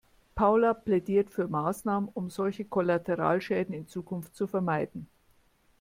Paula plädiert für Maßnahmen, um solche Kollateralschäden in Zukunft zu vermeiden.